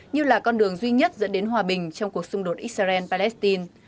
như là con đường duy nhất dẫn đến hòa bình trong cuộc xung đột israel palestine